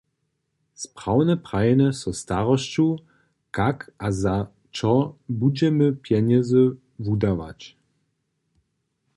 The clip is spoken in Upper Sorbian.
Sprawnje prajene so starosću, kak a za čo budźemy pjenjezy wudawać.